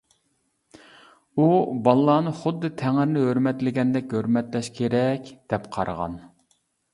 ئۇ بالىلارنى خۇددى تەڭرىنى ھۆرمەتلىگەندەك ھۆرمەتلەش كېرەك، دەپ قارىغان.